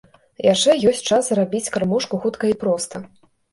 Яшчэ ёсць час зрабіць кармушку хутка і проста.